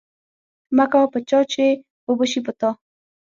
مکوه په چا چی وبه شی په تا